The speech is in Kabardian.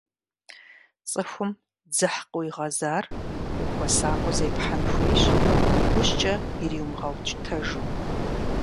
Цӏыхум дзыхь къыуигъэзар, ухуэсакъыу зепхьэн хуейщ, иужькӏэ ирумыгъэукӏытэжу.